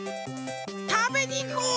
たべにいこう！